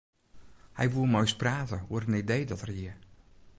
Hy woe mei ús prate oer in idee dat er hie.